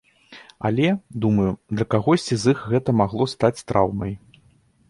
Але, думаю, для кагосьці з іх гэта магло стаць траўмай.